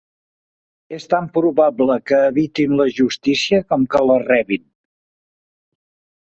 És tan probable que evitin la justícia com que la rebin.